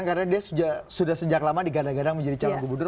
karena dia sudah sejak lama digadang gadang menjadi calon gubernur